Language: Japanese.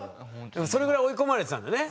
でもそれぐらい追い込まれてたんだよね